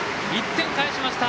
１点返しました。